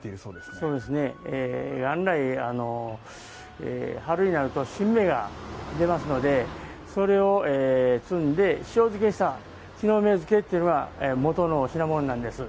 元来、春になると新芽が出ますのでそれを摘んで、塩漬けした木の芽漬けっていうのがもとの塩漬けなんです。